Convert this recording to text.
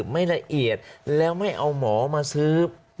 ไม่ละเอียดแล้วไม่เอาหมอมาซื้อ